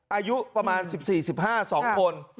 อายุประมาณ๑๔๑๕๒คน